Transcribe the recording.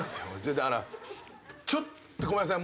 だからちょっとごめんなさい。